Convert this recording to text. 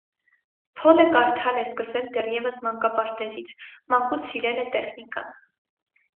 Փոլը կարդալ է սկսել դեռևս մանկապարտեզից, մանկուց սիրել է տեխնիկան։